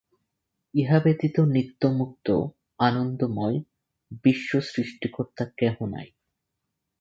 ইহা ব্যতীত নিত্যমুক্ত, আনন্দময় বিশ্ব-সৃষ্টিকর্তা কেহ নাই।